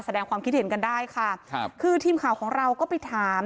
แสดงความคิดเห็นกันได้ค่ะครับคือทีมข่าวของเราก็ไปถาม